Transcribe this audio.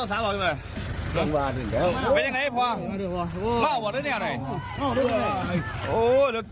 อะไรซักอย่างนะครับ